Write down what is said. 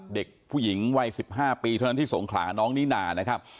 เด็กผู้หญิงวัย๑๕ปีเท่านั้นที่สงขลาน้องนิน่านะครับ